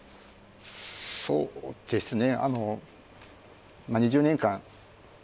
そうですね